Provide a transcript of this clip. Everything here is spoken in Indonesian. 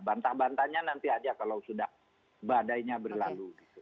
bantah bantahnya nanti aja kalau sudah badainya berlalu